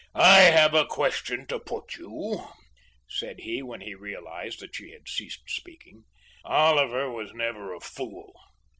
"I have a question to put you," said he, when he realised that she had ceased speaking. "Oliver was never a fool.